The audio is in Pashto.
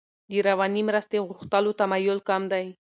د رواني مرستې غوښتلو تمایل کم دی.